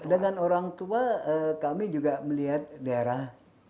jadi dengan orang tua kami juga melihat daerah